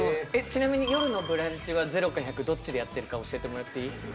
ちなみに「よるのブランチ」は０か１００どっちでやってるか教えてもらっていい？